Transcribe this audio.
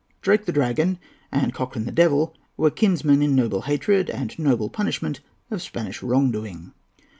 Drake the Dragon and Cochrane the Devil were kinsmen in noble hatred, and noble punishment, of Spanish wrong doing.